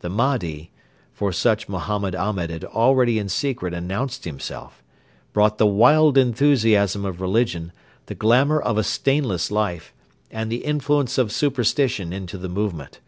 The Mahdi for such Mohammed Ahmed had already in secret announced himself brought the wild enthusiasm of religion, the glamour of a stainless life, and the influence of superstition into the movement.